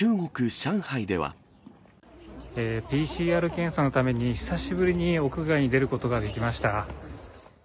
きょう、ＰＣＲ検査のために、久しぶりに屋外に出ることができました。